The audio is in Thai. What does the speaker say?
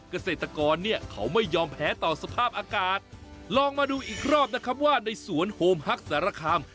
เกษตรกรเนี่ยเขาไม่ยอมแพ้ต่อสภาพอากาศลองมาดูอีกรอบนะครับว่าในสวนโฮมฮักสารคาม